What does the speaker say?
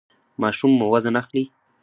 ماشوم مو وزن اخلي؟